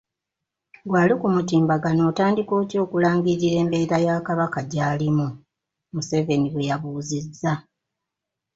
"Ggwe ali ku mutimbagano otandika otya okulangirira embeera Kabaka gy'alimu?" Museveni bwe yabuuzizzza.